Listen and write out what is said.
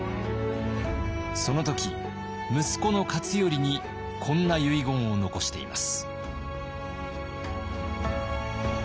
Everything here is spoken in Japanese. その時息子の勝頼にこんな遺言を残しています。